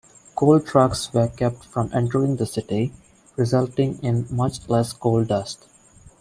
Coal trucks were kept from entering the city, resulting in much less coal dust.